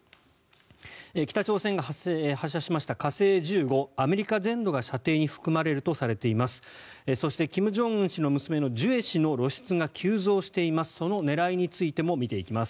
北朝鮮が発射しました火星１５アメリカ全土が射程に含まれるとされています。